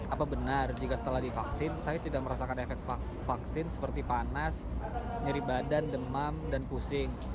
apa benar jika setelah divaksin saya tidak merasakan efek vaksin seperti panas nyeri badan demam dan pusing